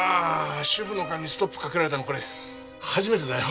主婦の勘にストップかけられたのこれ初めてだよ。